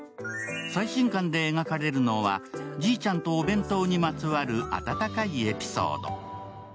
最新刊で描かれるのはじいちゃんとお弁当にまつわる温かいエピソード。